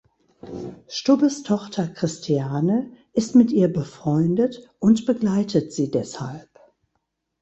Stubbes Tochter Christiane ist mit ihr befreundet und begleitet sie deshalb.